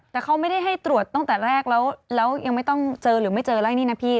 แต่เขาไม่ได้ให้ตรวจตั้งแต่แรกแล้วยังไม่ต้องเจอหรือไม่เจอไล่นี่นะพี่